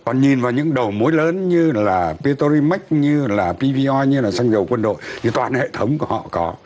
còn nhìn vào những đầu mối lớn như là petrolimax như là pvoi như là xăng dầu quân đội thì toàn hệ thống của họ có